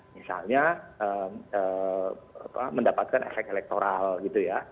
misalnya mendapatkan efek elektoral gitu ya